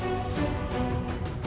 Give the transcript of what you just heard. di sini kebanyakan kita stitches